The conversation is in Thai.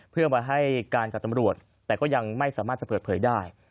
เพื่อมาให้การกับตำรวจแต่ก็ยังไม่สามารถจะเปิดเผยได้